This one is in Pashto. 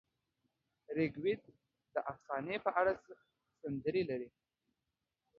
رګ وید د افسانې په اړه سندرې لري.